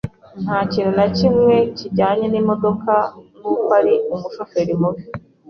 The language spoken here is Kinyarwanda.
Nta kintu na kimwe kijyanye n'imodoka Ni uko uri umushoferi mubi